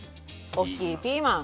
おっきいピーマン。